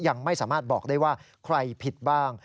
ยังไม่สามารถบอกได้ว่าใครผิดบ้าง